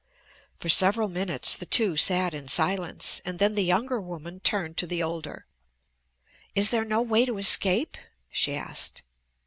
For several minutes the two sat in silence, and then the younger woman turned to the older. "Is there no way to escape?" she asked.